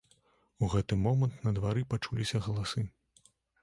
У гэты момант на двары пачуліся галасы.